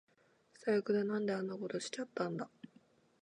最悪だ。なんであんなことしちゃったんだ